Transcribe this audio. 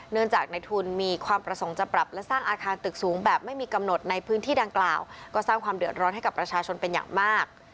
เนื่องจากในทุนมีความประสงค์จะปรับและสร้างอาคารตึกสูงแบบไม่มีกำหนดในพื้นที่ดังกล่าวก็สร้างความเดือดร้อนให้กับประชาชนเป็นอย่างมาก